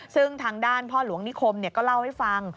ซึ่งทางด้านพ่อหลวงนิคมก็เล่าให้ฟัง